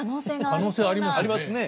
可能性ありますね。